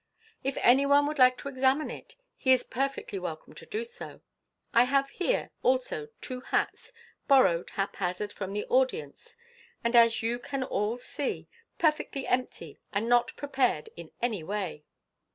" If any one would like to examine it, he is perfectly welcome to do so. I have here also two hats, borrowed haphazard from the audience, and, as you can all see, perfectly empty, and not prepared in any way.